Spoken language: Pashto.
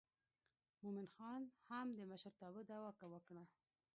مومن خان هم د مشرتابه دعوه وکړه.